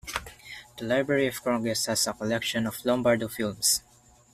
The Library of Congress has a collection of Lombardo films.